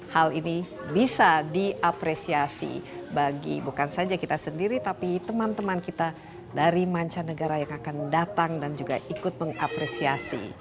hal ini bisa diapresiasi bagi bukan saja kita sendiri tapi teman teman kita dari mancanegara yang akan datang dan juga ikut mengapresiasi